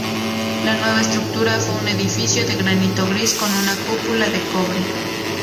La nueva estructura fue un edificio de granito gris con una cúpula de cobre.